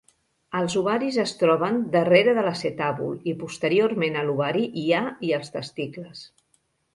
Els ovaris es troben darrere de l'acetàbul i posteriorment a l'ovari hi ha i els testicles.